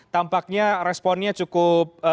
tampaknya responnya cukup